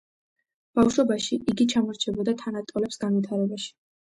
ბავშვობაში იგი ჩამორჩებოდა თანატოლებს განვითარებაში.